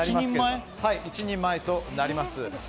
１人前となります。